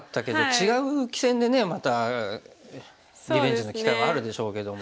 違う棋戦でねまたリベンジの機会はあるでしょうけども。